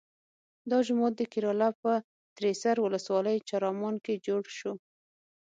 دا جومات د کیراله په تریسر ولسوالۍ چرامان کې جوړ شو.